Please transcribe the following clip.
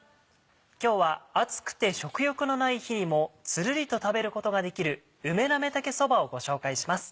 今日は暑くて食欲のない日にもつるりと食べることができる「梅なめたけそば」をご紹介します。